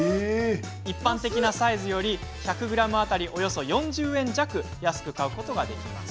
一般的なサイズより１００ｇ当たりおよそ４０円弱安く買うことができます。